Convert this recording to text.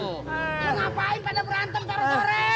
lo ngapain pada berantem sore sore